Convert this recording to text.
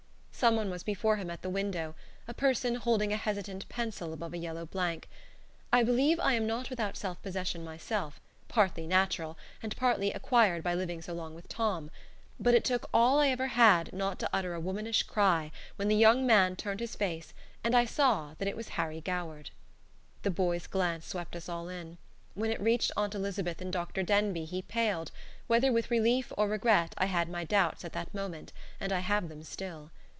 Some one was before him at the window, a person holding a hesitant pencil above a yellow blank. I believe I am not without self possession myself, partly natural, and partly acquired by living so long with Tom; but it took all I ever had not to utter a womanish cry when the young man turned his face and I saw that it was Harry Goward. The boy's glance swept us all in. When it reached Aunt Elizabeth and Dr. Denbigh he paled, whether with relief or regret I had my doubts at that moment, and I have them still.